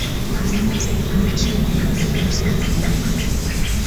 alama za nchi Alama nyeusi ni milango ya